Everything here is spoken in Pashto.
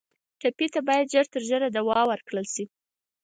ټپي ته باید ژر تر ژره دوا ورکړل شي.